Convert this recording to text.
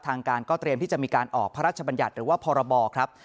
ทางการก็เตรียมที่จะมีการออกพระราชบัญญัติหรือว่าพรบครับ